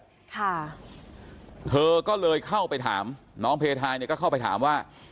ค่ะเธอก็เลยเข้าไปถามน้องเพทายเนี่ยก็เข้าไปถามว่า